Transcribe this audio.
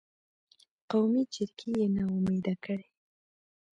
قومي جرګې یې نا امیده کړې.